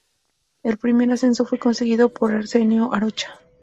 El primer ascenso fue conseguido por Arsenio Arocha.